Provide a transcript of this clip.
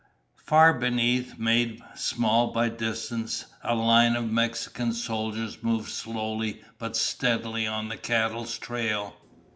Far beneath, made small by distance, a line of Mexican soldiers moved slowly but steadily on the cattle's trail.